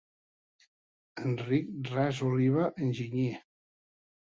Enric Ras Oliva enginyer